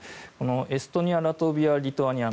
エストニア、ラトビアリトアニア。